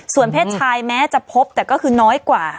เพศชายแม้จะพบแต่ก็คือน้อยกว่า